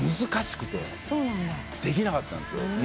難しくてできなかったんですよ。